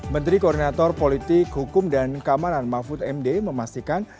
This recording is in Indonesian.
menteri koordinator politik hukum dan keamanan mahfud md memastikan